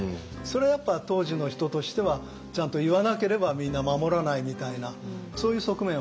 それやっぱ当時の人としてはちゃんと言わなければみんな守らないみたいなそういう側面はあったと思います。